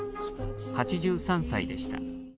８３歳でした。